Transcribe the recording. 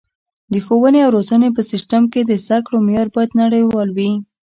د ښوونې او روزنې په سیستم کې د زده کړو معیار باید نړیوال وي.